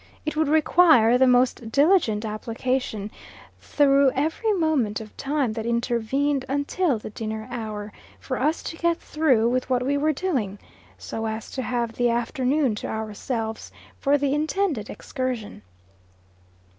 It would require the most diligent application, through every moment of time that intervened until the dinner hour, for us to get through with what we were doing, so as to have the afternoon to ourselves for the intended excursion.